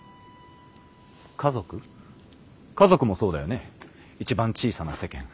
家族家族もそうだよね一番小さな世間。